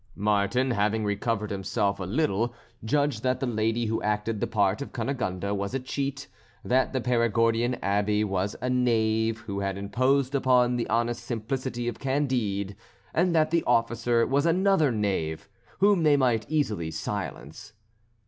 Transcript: Martin, having recovered himself a little, judged that the lady who acted the part of Cunegonde was a cheat, that the Perigordian Abbé was a knave who had imposed upon the honest simplicity of Candide, and that the officer was another knave whom they might easily silence.